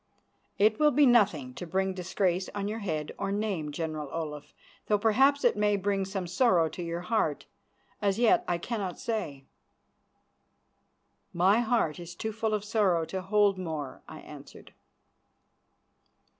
"It will be nothing to bring disgrace on your head or name, General Olaf, though perhaps it may bring some sorrow to your heart. As yet I cannot say." "My heart is too full of sorrow to hold more," I answered.